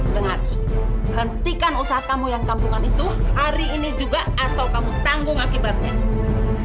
dengar hentikan usaha kamu yang kampungan itu hari ini juga atau kamu tanggung akibatnya